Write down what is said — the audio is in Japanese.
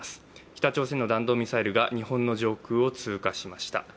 北朝鮮の弾道ミサイルが日本の上空を通過しました。